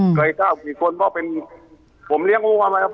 อืมใครเข้าออกกี่คนเพราะเป็นผมเลี้ยงหัวไหมครับ